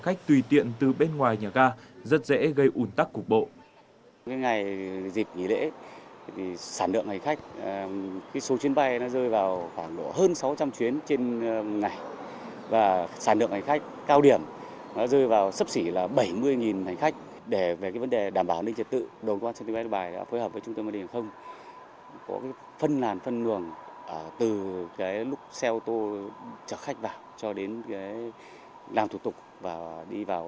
và khách tùy tiện từ bên ngoài nhà ga rất dễ gây ủn tắc cục bộ